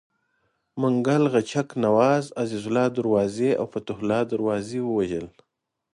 منګل غچک نواز، عزیزالله دروازي او فتح الله دروازي ووژل.